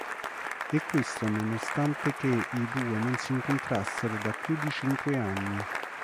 E questo nonostante che i due non si incontrassero da più di cinque anni.